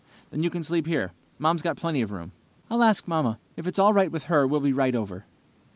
"Then you can sleep here. Mom's got plenty of room." "I'll ask Mamma. If it's all right with her, we'll be right over."